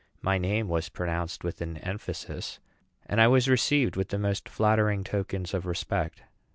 My name was pronounced with an emphasis, and I was received with the most flattering tokens of respect.